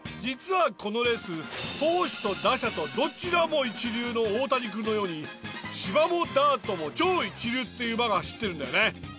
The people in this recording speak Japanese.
実はこのレース投手と打者とどちらも一流の大谷君のように芝もダートも超一流っていう馬が走ってるんだよね。